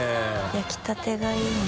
焼きたてがいいな。